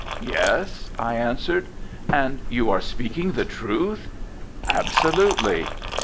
'Yes,' I answered. 'And you are speaking the truth?' 'Absolutely.'